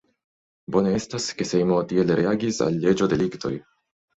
Bone estas, ke Sejmo tiel reagis al leĝo-deliktoj.